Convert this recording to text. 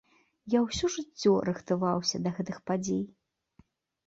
Я ўсё жыццё рыхтаваўся да гэтых падзей.